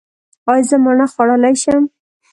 ایا زه مڼه خوړلی شم؟